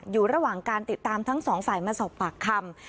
อยู่ระหว่างการติดตามทั้งสองฝ่ายมาสอบปากคำ